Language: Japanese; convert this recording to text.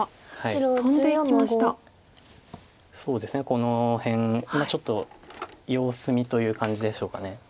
この辺ちょっと様子見という感じでしょうか。